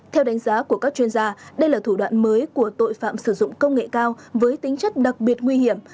theo đánh giá của các chuyên gia đây là thủ đoạn mới của tội phạm sử dụng công nghệ cao với tính chất đặc biệt nguy hiểm